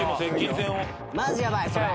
マジやばいそれ。